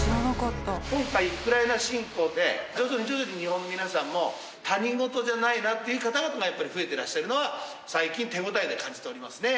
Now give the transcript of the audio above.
今回ウクライナ侵攻で徐々に徐々に日本の皆さんも他人事じゃないなっていう方々がやっぱり増えてらっしゃるのは最近手応えで感じておりますね。